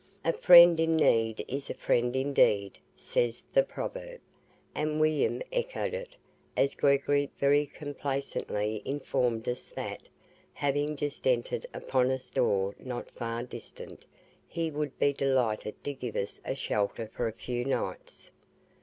"A friend in need is a friend indeed," says the proverb, and William echoed it, as Gregory very complaisantly informed us that, having just entered upon a store not far distant, he would be delighted to give us a shelter for a few nights.